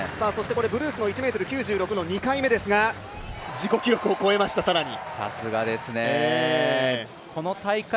ブルースの１ｍ９６の２回目ですが自己記録を超えました、更に。